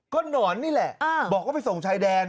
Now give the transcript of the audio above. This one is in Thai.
ก็หนอนนี่แหละบอกว่าไปส่งชายแดน